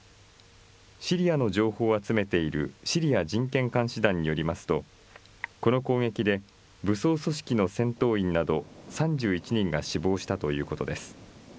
シリアの情報を集めているシリア人権監視団によりますと、この攻撃で武装組織の戦闘員など３１人が死亡したということです。